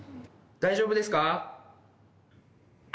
大丈夫ですか？